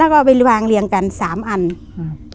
แล้วก็เอาไปวางเลียงกันสามอันครับ